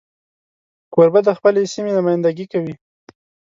کوربه د خپلې سیمې نمایندګي کوي.